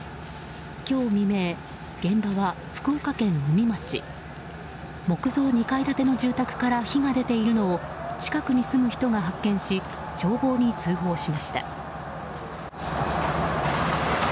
今日未明、現場は福岡県宇美町木造２階建ての住宅から火が出ているのを近くに住む人が発見し消防に通報しました。